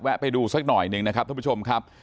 ไปดูสักหน่อยหนึ่งนะครับท่านผู้ชมครับ